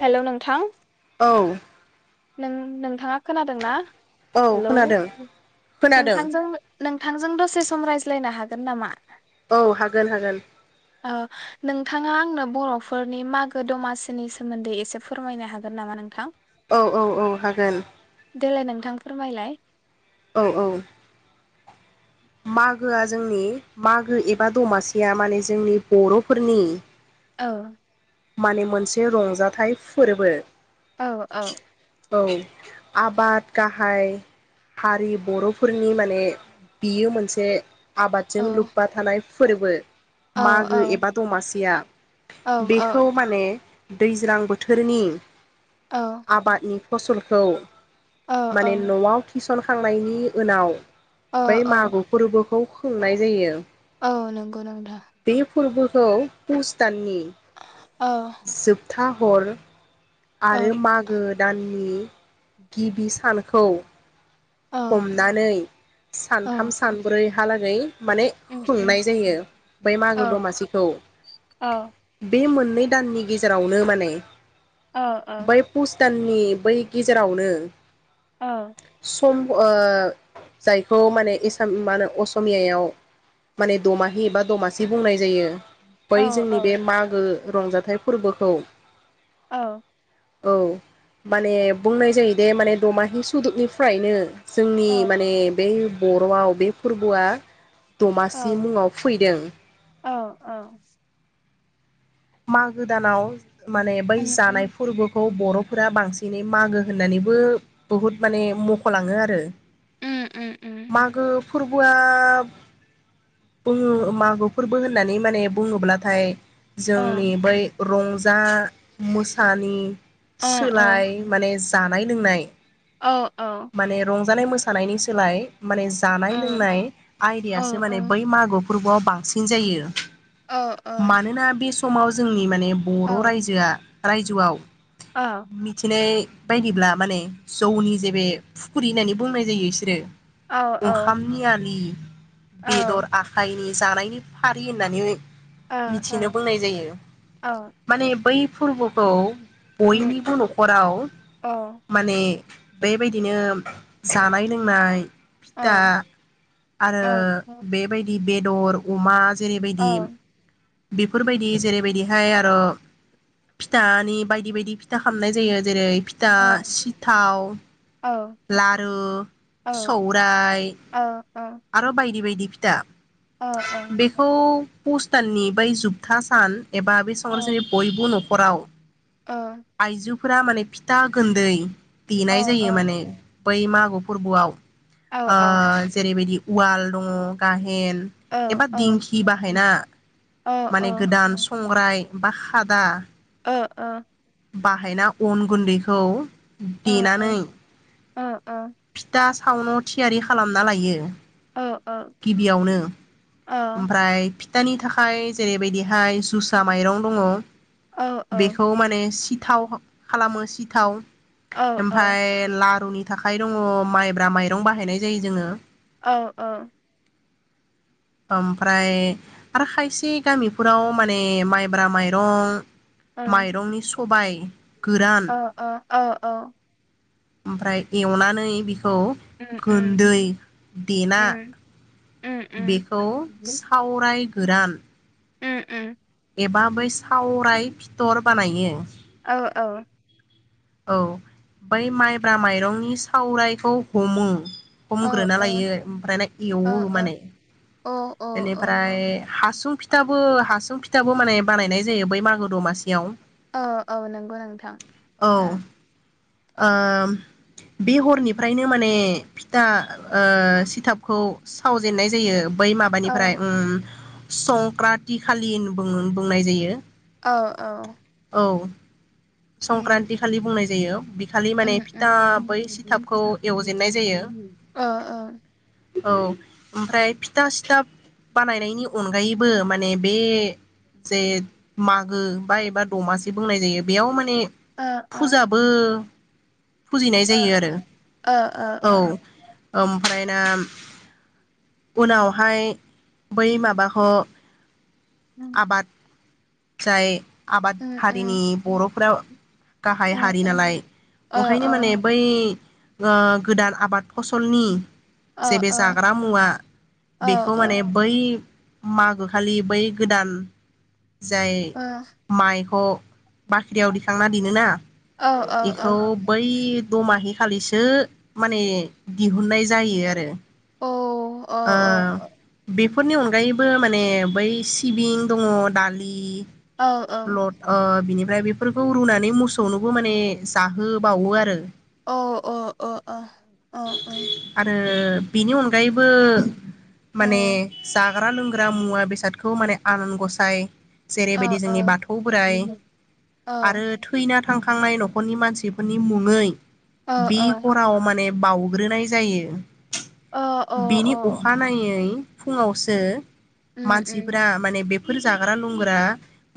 Hello नोंथां औ नों नोंथाङा खोनादों ना औ हेलौ खोनादों खोनादों नोंथां नोंथांजों दसे सम रायज्लायनो हागोन हागोन नामा औ हागोन हागोन ओ नोंथाङा आंनो बर'फोरनि मागो दमासिनि सोमोन्दै एसे फोरमायनो हागोन नामा नोंथां औ औ औ हागोन देलाय नोंथां फोरमायलाय औ औ मागोआ जोंनि मागो एबा दमासिया माने जोंनि बर'फोरनि औ माने मोनसे रंजाथाइ फोरबो औ औ औ आबाद गाहाय हारि बर'फोरनि माने बियो मोनसे औ आबादजों लोब्बा थानाय फोरबो औ मागो एबा दमासिया औ औ बेखौ माने दैज्लां बोथोरनि औ आबादनि फसलखौ औ माने औ न'वाव थिसनखांनायनि उनाव बै औ मागो फोरबो खौ खुंनाय जायो औ नंगौ नोंथां बे फोरबोखौ पुस दाननि अ थाहर आरो मागो दाननि गिबि सानखौ औ हमनानै औ सानथाम सानब्रै हालागै माने उम खुंनाय जायो उम बै औ मागो दमासिखौ औ बे मोन बे दाननि गेजेरावनो माने ओ ओ भुटाननि बै गेजेरावनो औ सम ओ जायखौ माने एसाम माहोनो असमियायाव माने दमाहि बा दमासि बुंनाय जायो बै जोंनि बे मागो रंजाथाइ फोरबोखौ अ औ माने बुंनाय जायो दे माने दमाहि सुदबनि फ्रायनो जोंनि औ माने बै बर'आव बे फोरबुआ औ दमासि मुङाव फैदों। औ औ मागो दानाव माने बै उम उम जानाय फोरबोखौ बर' फोरा बांसिनै मागो होननानैबो बुहुद माने मख'लाङो आरो उम उम उम मागो फोरबुआ बुङो मागो फोरबो होननानै माने बुङोब्लाथाय औ जोंनि बै रंजा मोसानि अ अ सोलाय माने जानाय लोंनाय औ औ माने मोसानायनि सोलाय माने औ जानाय लोंनाय औ आयदयासो माने बै मागो फोरबोआव बांसिन जायो औ ओ। मानोना बे समाव जोंनि माने बर' रायजोआ रायजोआव [inaudible] मिथिनाय बायदिब्ला माने जौनि जे बे फुखुर्रि होननानै बुंनाय जायो बिसोरो ओंखामनि आलि बेदर आखायनि जानायनि फारि होननानै औ औ। [unintelligible] मानि। बै फोरबोखौ उम बयनिबो न'खराव औ माने बेबायदिनो जानाय लोंनाय औ फिथा आरो औ बेबायदि बेदर अमा औ जेरैबायदि बेफोरबायदि जेरैबायदिहाय आरो फिथानि बायदि बायदि फिथा खालामनाय जायो जेरै फिथा सिथाव लारु औ सौराय औ औ आरो बायदि बायदि बायदि फिथा बेखौ पस्ताननि बै जोबथा सान [unintelligible] न'खराव औ। फोरा माने फिथा गुन्दै ओ देनाय जायो माने बै मागो फोरबोआव ओ ओ आ जेरैबायदि उवाल दङ गाहेन एबा दिंखि बाहायना ओ माने गोदान संग्राय बा खादा ओ ओ अ बाहायना अन गुन्दैखौ देनानै अ अ दा सावन' थियारि खालामना लायो। गिबियावनो ओमफ्राय फि थानि थाखाय जेरैबायदिहाय सुसा माइरं दङ ओ बेखौ माने सि थाव खालामो सिथाव ओ ओ ओमफाय लाद थौनि थाखाय दङ माइब्रा माइरं बाहायनाय जायो जोङो। औ अ ओमफ्राय आरो खायसे गामिफोराव माने माइब्रा माइरं माइरंनि स' सबाइ अ अ औ औ ओमफ्राय एवनानै बिख खौ गोन्दै देना बेखौ सावराय गोरान एबा बै सावराय फिथर बानायो। औ औ औ बै माइब्रा माइरंनि सावरायखौ हमो। औ हमग्रोना औ लायो ओमफ्राय ना औ एवो औ माने औ औ बेनिफ्राय हासुं फि थाबो हासुं फिथाबो माने बानायनाय जायो बै मागो दमासियाव। अ औ नंगौ नोंथां। औ ओ बे हरनिफ्रायनो माने फिथा ओ सिथाबखौ सावजेननाय जायो। बै माबानिफ्राय उम संक्राति खालि [unintelligible] बुङो बुंनाय जायो। औ औ औ संक्रान्ति खालि बुंनाय जा जायो बि उम उम एवजेननाय जायो [unintelligible] अ अ औ ओमफ्राय फिथा सिथाब बानायनायनि अनगायैबो माने बे जे मागो बा एबा दमासे बुंनाय जायो बेयाव माने ओ ओ फुजाबो फुजिनाय ओ जायो आरो ओ औ ओ ओमफ्राय ना उनावहाय बै माबाख उम आबाद जाय आबाद उम हारिनि उम बर'फ्रा गाहाइ हारि नालाय ओ ओंखायनो माने बै ओ गोदान आबाद फसलनि ओ जे बे ओ जाग्रा मुवा बेखौ ओ माने बै मागो खालि बै गोदान जाय माइख' बाख्रियाव दिखांना दिनोना? ओ ओ ओ एखौ बै इ दमाहि खालिसो माने दिहुननाय जायो आरो अ अ अ फोरनि अनगायैबो माने बै सिबिं दङ दालि लद ओ बिनिफ ओमफ्राय बेफोरखौ रुनानै मोसौनोबो माने जाहोबावो आरो औ अ अ अ अ ओं ओ बिनि अनगायैब बो माने जाख जाग्रा लोंग्रा मुवा बेसादखौ माने आनानग'साय जेरैबायदि जोंनि बाथौ बोराइ आरो थैना थांखांनाय न'खरनि मानसिफोरनि मुङै बि हराव माने बाउग्रोनाय जायो। बिनि अखानायै फुङावसो मानसिफ्रा माने बेफ बेफोर जाग्रा लुंग्रा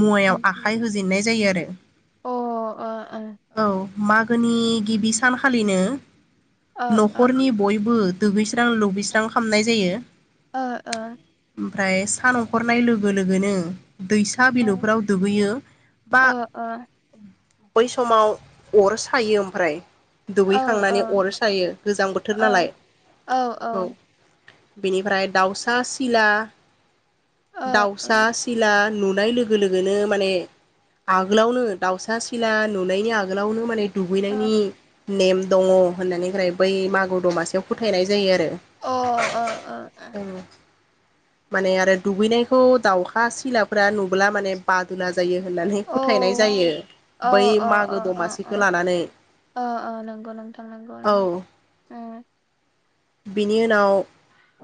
मुवायाव आखाइ होजेननाय जायो आरो। औ। मागोनि गिबि सानखालिनो न'खरनि बयबो दुगैस स्रां लुबैस्रां खालामनाय जायो। ओ ओ। ओमफ्राय सान ओंखारनाय लोगो लोगोनो। दैसा बिलौफोराव दुगैयो बा बै समाव अर सायो ओमफ्राय दुगैखांनानै अर सायो गोजां बोथोर नालाय। औ औ। बेनिफ्राय दाउसा सिला दाउसा सिला नुनो नुनाय लोगो लोगोनो माने आगोलावनो दाउसा सिला नुनायनि आगोलावनो माने दुगैनायनि नेम दङ होननानैहाय बै मागो दमासियाव फोथायनाय जायो आरो। अ अ अ। औ माने आरो दुगैनायखौ दाउखा सिलाफोरा नुब्ला माने बादुला जायो होननानै फोथायनाय जायो बै मागो दमासिखौ लानानै नोंथां नंगौ औ। नंगौ ओम बिनि उनाव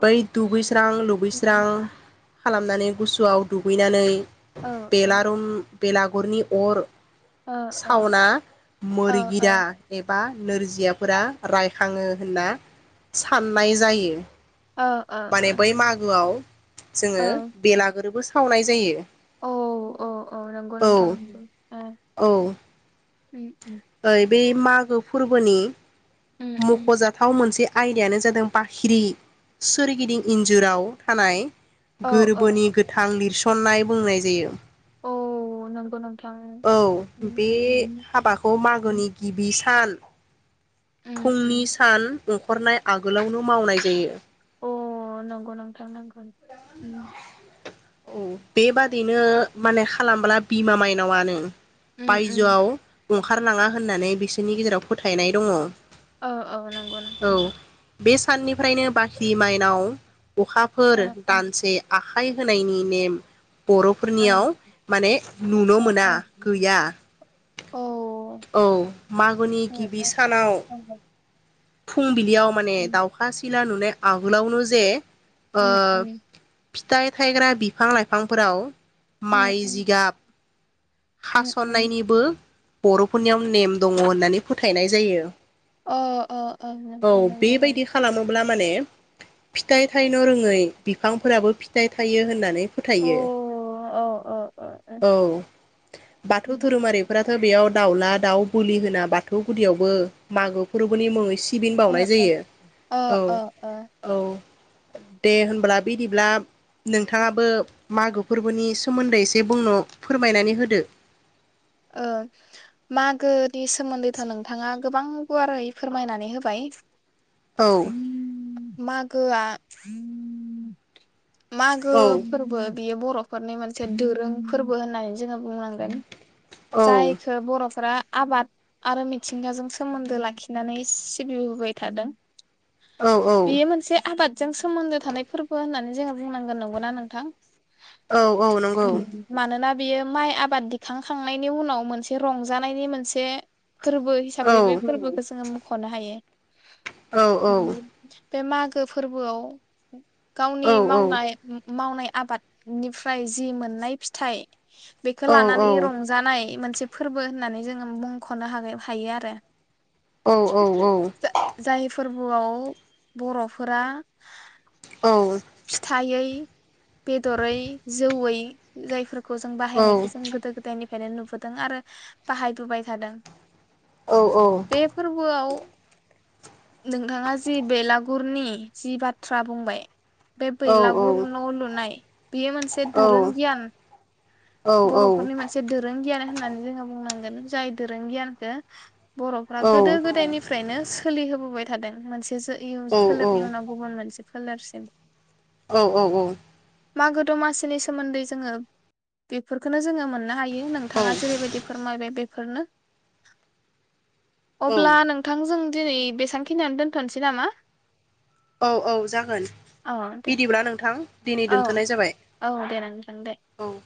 बै दुगैस्रां लोबैस्रां ओम खालामनानै गुसुआव दुगैनानै औ औ बेलारूम बेलागुरनि अर। ओ ओ सावना ओ ओ मोरगिरा एबा नोरजियाफोरा रायखाङो होनना साननाय जायो। ओ ओ माने बै मागोआव जोंङो बेलागुरबो सा सावनाय जायो। औ औ औ नंगौ औ नोंथां। ओ उम। एै बे मागो फोरबोनि उम उम मख'जाथाव मोनसे आयदायानो जादों बाख्रि सोरगिदिं इन्जुराव थानाय औ औ गोरबोनि गोथां लिरस सननाय बुंनाय जायो। नंगौ नोंथां औ उम बे उम उम हाबाखौ मागोनि गिबि सान फुंनि उम सान ओखरनाय आगोलावनो मावनाय जायो। अ नंगौ नोंथां नंगौ। उम। औ बेबादि बिनो माने खालामब्ला बिमा माइनावआनो उम उम बायजोआव ओंखारलाङा होननानै बिसोरनि गेजेराव फोथायनाय दङ। ओ औ नंगौ नोंथां नोंगौ। बे साननिफ्रायनो बाख्रि माइनाव अखाफोर आखाइ होनायनि नेम ओ बर'फोरनियाव माने नुनो ओ मोना गैया। औ मागनि गिबि सानाव ओ औ फुंबिलियाव माने उम दाउखा सिला नुनाय आगोलावनो जे उम ओ उम। फिथाइ थायग्रा बिफां लाइफांफोराव उम उम माइ उम जिगाब उम उम खास'ननायनिबो बर'फोरनियाव नेम दङ होननानै फोथायनाय जायो। अ। अ अ औ नोंथां नंगौ नंगौ बेबायदि खालामोब्ला माने फिथाइ थाइनो रोङै बिफांफोराबो फिथाइ थायो होननानै फोथायो। अ औ औ औ बाथौ धोरोमारिफोरा बेयाव दाउला दाउ बोलि होना बाथौ गुदियावबो मागो फोरबोनि मुङै स [unintelligible] ओ बावउनाय ओ जायो ओ औ ओ ओ औ दे होनबब्ला बिदिब्ला नोंथाङाबो मागो फोरबोनि सोमोन्दै एसे बुंनो फोरमायनानै होदो। ओ मागो नि सोमोन्दैथ' नोंथाङा गोबां गुवारै फोरमायनानै होबाय। औ [inaudible] मागोआ मघो औ फोरबो बियो बरफोरनि मोनसे दोरों फोरबो होननानै जोङो बुंनांगोन। औ जायखो बरफोरा आबाद आरो मिथिंगाजों सोमोन्दो लाखिनानै सिबिबोबाय थादों। औ बेयो औ मोनसे आबाद जों सोमोन्दो थानाय फोरबो होननानै जोङो बुंनांगोन। नंगौना नोंथां? औ औ नंगौ। बियो माइ आबाद दिखां नायनि उनाव मोनसे रंजानायनि मोनसे फोरबो औ हिसाबै बे फोरबोखौ जोङो खनो हायो औ [unintelligible] बे मागो फोरबोआव औ गावनि औ मावनाय मावनाय आबादनिफ्राय जि मोननाय फिथाइ बेखो औ लानानै रंजानाय मोन मोनसे फोरबो होननानै जोङो मुंख'नो हाग हायो आरो औ औ औ बोआव बरफोरा औ फिथाइ बेदरै जौयै जायफोर खौ जों बाहायनायखौ जों गोदो गोदायनि फ्रायनो नुबोदों आरो बाहायबोबाय थादों औ बे फोरबोआव नोंथाङा जि बेलागुरनि जि बाथ्रा बुंबाय बे औ बैलागुर न' लुनाय बेयो मोनसे दोरों गियान बर'फोरनि मोनसे दोरों गियान होननानै जोङो बुङो ओ जाय दोरों गियानखौ बर'फ्रा गोदो गोदायनिफ्राय फ्रायनो सोलिहोबोबाय थादों मोनसे इसो इयुन फोलेरनि उनाव गुबुन मोनसे फोलेरसिम औ औ औ मागो दमासिनि सोमोन्दै जोङो बेफोरखौनो जोङो मोननो हायो नोंथाङा जेरैबायदि फोरमायबाय बे फोरनो अब्ला नोंथांजों दिनै बेसेबांखिनियानो दोनथ'नोसै नामा? औ औ जागोन औ दे बिदिब्ला नोंथां दिनै औ दोनथ'नाय जाबाय औ दे नोंथां दे [inaudible] औ